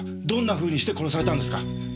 どんなふうにして殺されたんですか？